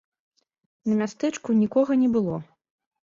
На мястэчку нікога не было.